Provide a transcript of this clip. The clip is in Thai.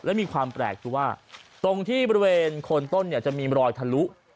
และมีความแปลกคือว่าตรงที่บริเวณโคนต้นเนี่ยจะมีรอยทะลุ